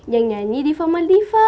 yang nyanyi diva mardiva